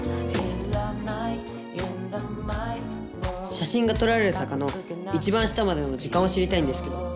写真が撮られる坂の一番下までの時間を知りたいんですけど。